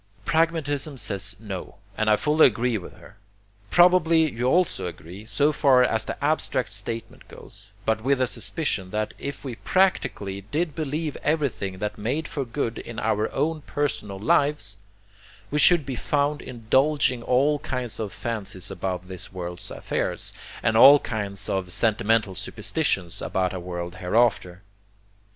Pragmatism says no, and I fully agree with her. Probably you also agree, so far as the abstract statement goes, but with a suspicion that if we practically did believe everything that made for good in our own personal lives, we should be found indulging all kinds of fancies about this world's affairs, and all kinds of sentimental superstitions about a world hereafter.